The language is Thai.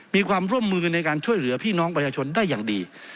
มีความร่วมมือในการช่วยเหลือพี่น้องประชาชนได้อย่างดี